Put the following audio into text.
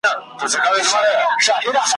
ویل جار دي تر نامه سم مُلاجانه ,